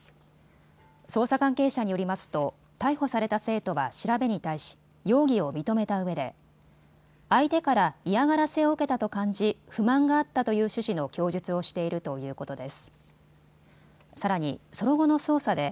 捜査関係者によりますと逮捕された生徒は調べに対し容疑を認めたうえで相手から嫌がらせを受けたと感じ不満があったという趣旨の供述をしているということです。